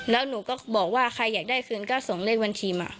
แล้วหนูก็บอกว่าใครอยากได้คืนก็ส่งเลขบัญชีมา